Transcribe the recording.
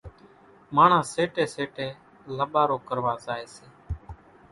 ماڻۿان سيٽيَ سيٽيَ لاٻارو ڪروا زائيَ سي۔